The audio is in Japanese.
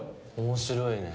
面白いね。